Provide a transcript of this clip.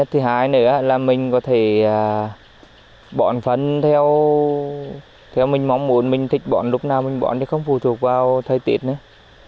thứ hai nữa là mình có thể bón phân theo mình mong muốn mình thích bón lúc nào mình bón chứ không phụ thuộc vào thời tiết nữa